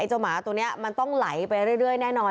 เจ้าหมาตัวนี้มันต้องไหลไปเรื่อยแน่นอน